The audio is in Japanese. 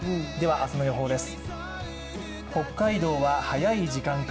明日の予報です。